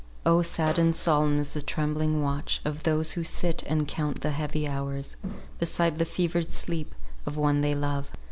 "O sad and solemn is the trembling watch Of those who sit and count the heavy hours, Beside the fevered sleep of one they love!